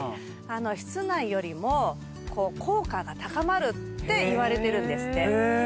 室内よりも効果が高まるっていわれてるんですって。